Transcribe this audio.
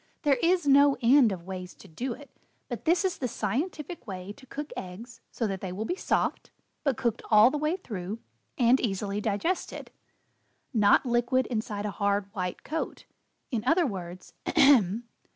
"There is no end of ways to do it, but this is the scientific way to cook eggs so that they will be soft, but cooked all the way through and easily digested not liquid inside a hard, white coat. In other Words Ahem!